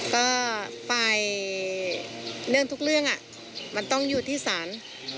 ก็ไปเรื่องทุกเรื่องมันต้องอยู่ที่ศาล